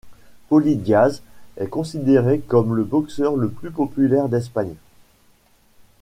Poli Diaz est considéré comme le boxeur le plus populaire d'Espagne.